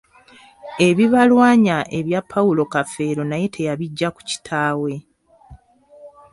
Ebibalwanya ebya Paulo Kafeero naye teyabiggya ku kitaawe.